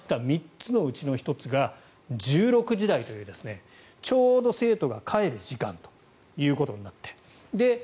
３つのうちの１つが１６時台というちょうど生徒が帰る時間ということになって。